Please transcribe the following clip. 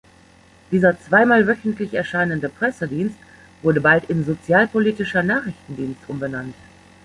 Dieser zweimal wöchentlich erscheinende Pressedienst wurde bald in "Sozialpolitischer Nachrichtendienst" umbenannt.